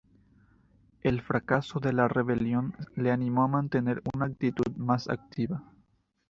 El fracaso de la rebelión le animó a mantener una actitud más activa.